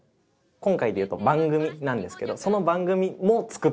今回でいうと番組なんですけどその番組も作ってるんですね。